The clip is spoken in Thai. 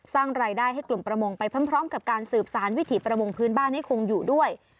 สร้างรายได้ให้กลุ่มประมงไปพร้อมกับการสืบสารวิถีประมงพื้นบ้านให้คงอยู่ด้วย